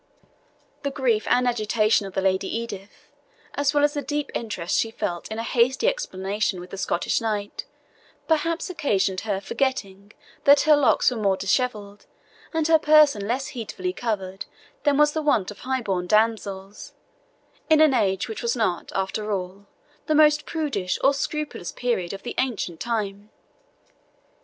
The grief and agitation of the Lady Edith, as well as the deep interest she felt in a hasty explanation with the Scottish knight, perhaps occasioned her forgetting that her locks were more dishevelled and her person less heedfully covered than was the wont of high born damsels, in an age which was not, after all, the most prudish or scrupulous period of the ancient time.